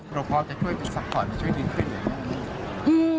พ่อจะช่วยเป็นสัมภาษณ์ให้ช่วยดินขึ้นอย่างไร